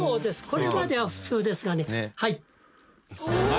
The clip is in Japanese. これまでは普通ですがね。